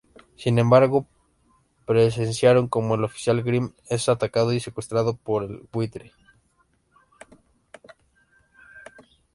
Sin embargo, presenciaron como el oficial Grimm es atacado y secuestrado por el Buitre.